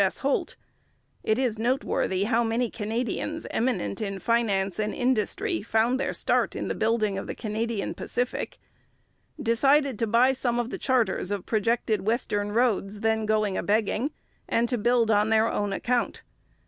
S. Holt it is noteworthy how many Canadians eminent in finance and industry found their start in the building of the Canadian Pacific decided to buy some of the charters of projected western roads then going a begging, and to build on their own account.